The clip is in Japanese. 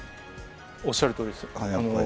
おっしゃるとおりです。